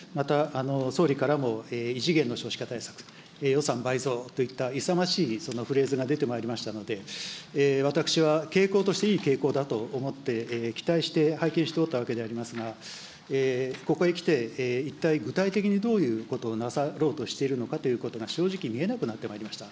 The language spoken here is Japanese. また、総理からも異次元の少子化対策、予算倍増といった勇ましいフレーズが出てまいりましたので、私は傾向として、いい傾向だと思って期待して拝見しておったわけでありますが、ここへきて、一体具体的にどういうことをなさろうとしているのかということが、正直見えなくなってまいりました。